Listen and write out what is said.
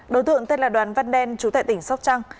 đối tượng tên là đoàn văn đen trú tại tỉnh sóc trăng